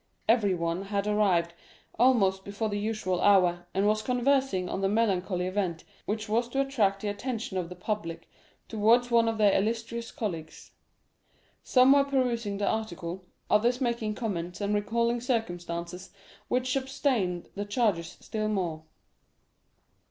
Everyone had arrived almost before the usual hour, and was conversing on the melancholy event which was to attract the attention of the public towards one of their most illustrious colleagues. Some were perusing the article, others making comments and recalling circumstances which substantiated the charges still more.